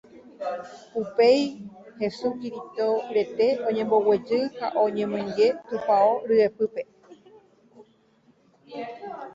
Upéi Hesu Kirito rete oñemboguejy ha oñemoinge tupão ryepýpe